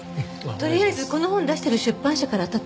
とりあえずこの本出してる出版社からあたってみるわ。